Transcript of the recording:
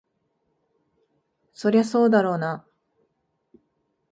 そりゃそうだろうな。